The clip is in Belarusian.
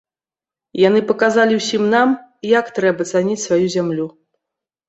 Яны паказалі ўсім нам, як трэба цаніць сваю зямлю!